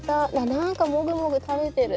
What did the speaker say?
何かもぐもぐ食べてる。